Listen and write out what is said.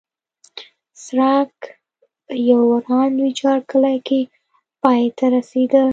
سړک په یو وران ویجاړ کلي کې پای ته رسېده.